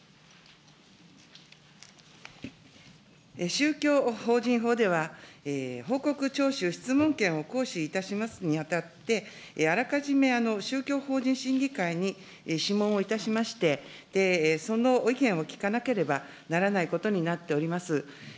宗教法人法では、報告徴収質問権を行使するにあたりまして、あらかじめ宗教法人審議会に諮問をいたしまして、その意見を聞かなければならないことになっております。